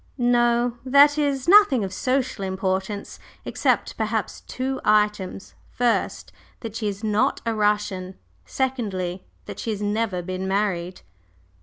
"No; that is, nothing of social importance, except, perhaps, two items first, that she is not a Russian; secondly, that she has never been married."